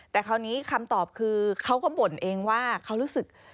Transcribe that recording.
แต่คราวนี้คำตอบคือเขาก็บ่นเองว่าเขารู้สึก